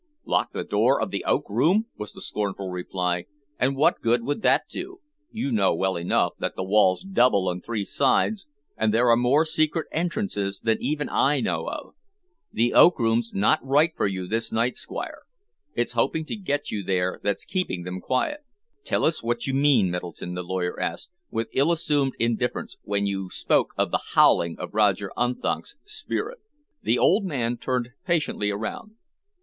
"Lock the door of the oak room!" was the scornful reply. "And what good would that do? You know well enough that the wall's double on three sides, and there are more secret entrances than even I know of. The oak room's not for you this night, Squire. It's hoping to get you there that's keeping them quiet." "Tell us what you mean, Middleton," the lawyer asked, with ill assumed indifference, "when you spoke of the howling of Roger Unthank's spirit?" The old man turned patiently around.